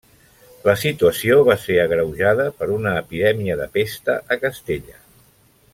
La situació va ser agreujada per una epidèmia de pesta a Castella.